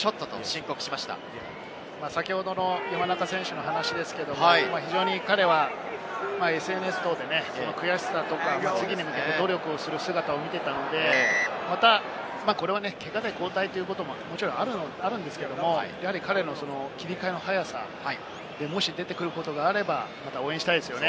先ほどの山中選手の話ですけれど、非常に彼はＳＮＳ等で悔しさとか、次に向けて努力をする姿を見ていたので、また、これはけがで交代ということもあるんですけれども、彼の切り替えの早さ、もし出てくることがあれば、また応援したいですね。